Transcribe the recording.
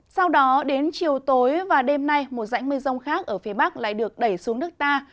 sau đó đến chiều tối và đêm nay một dãnh mưa rông khác ở phía bắc lại được đẩy xuống nước ta